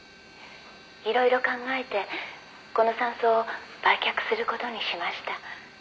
「いろいろ考えてこの山荘を売却する事にしました」